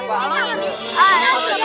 wah satu tiga ribu